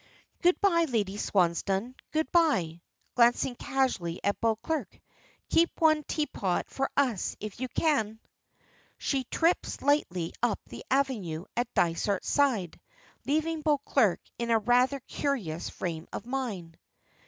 Good bye, Lady Swansdown; good bye," glancing casually at Beauclerk. "Keep one teapot for us if you can!" She trips lightly up the avenue at Dysart's side, leaving Beauclerk in a rather curious frame of mind.